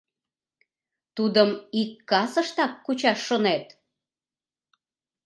— Тудым ик касыштак кучаш шонет?..